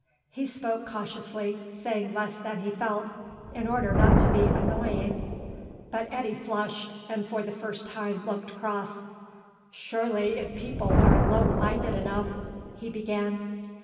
He spoke cautiously, saying less than he felt, in order not to be annoying. But Eddy flushed, and for the first time looked cross. "Surely, if people are low minded enough " he began.